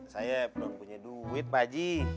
saya belum punya duit pak waji